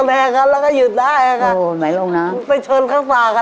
เบคไม่อยู่เบคแตกค่ะค่ะ